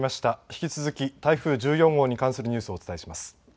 引き続き台風１４号に関するニュースをお伝えします。